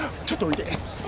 ちょっとおいで。